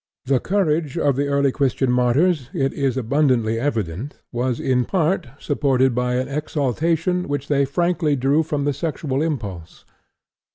The courage of the early Christian martyrs, it is abundantly evident, was in part supported by an exaltation which they frankly drew from the sexual impulse.